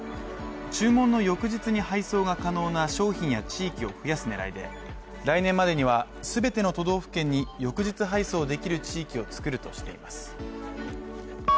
注文の翌日に配送が可能な商品や地域を増やす狙いで、来年までには全ての都道府県に翌日配送できる地域をつくるとしています